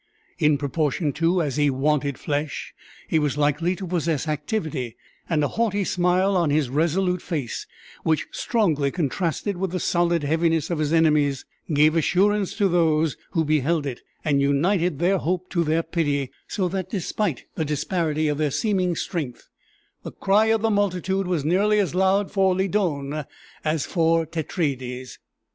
In proportion, too, as he wanted flesh, he was likely to possess activity; and a haughty smile on his resolute face, which strongly contrasted with the solid heaviness of his enemy's, gave assurance to those who beheld it and united their hope to their pity; so that despite the disparity of their seeming strength, the cry of the multitude was nearly as loud for Lydon as for Tetraides.